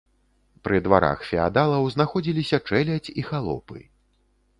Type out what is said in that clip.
Пры дварах феадалаў знаходзіліся чэлядзь і халопы.